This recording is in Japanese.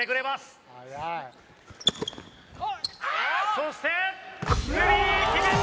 そしてスリー決めた！